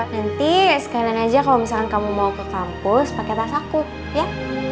nanti sekalian aja kalau misalkan kamu mau ke kampus pakai tas aku ya